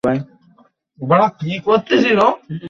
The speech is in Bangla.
আমরা তো তোমাকে বিশ্বাসই করি না।